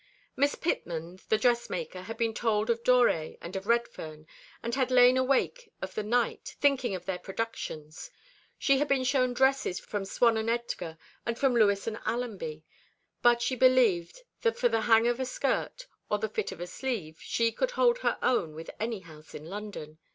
Miss Pittman, the dressmaker, had been told of Doré and of Redfern, and had lain awake of a night thinking of their productions; she had been shown dresses from Swan & Edgar and from Lewis & Allenby; but she believed that for the hang of a skirt or the fit of a sleeve she could hold her own with any house in London.